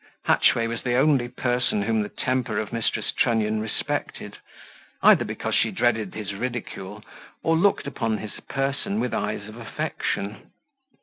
Hatchway was the only person whom the temper of Mrs. Trunnion respected, either because she dreaded his ridicule, or looked upon his person with eyes of affection.